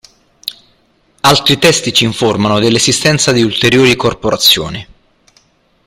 Altri testi ci informano dell'esistenza di ulteriori corporazioni.